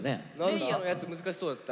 嶺亜のやつ難しそうだった。